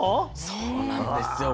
そうなんですよ。